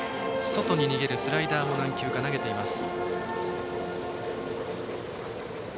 外に逃げるスライダーも何球か投げています。